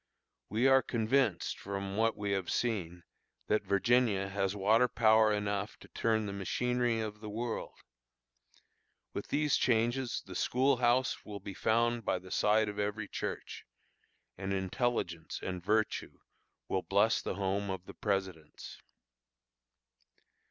We are convinced, from what we have seen, that Virginia has water power enough to turn the machinery of the world. With these changes the school house will be found by the side of every church, and intelligence and virtue will bless the home of the Presidents.